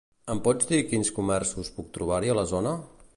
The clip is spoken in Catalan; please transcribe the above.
Em pots dir quins comerços puc trobar-hi a la zona?